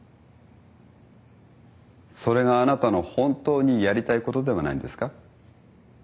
それがあなたの本当にやりたいことではないんですか。